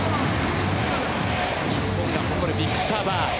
日本が誇るビッグサーバー。